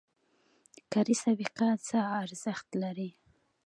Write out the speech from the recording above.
کاري سابقه څه ارزښت لري؟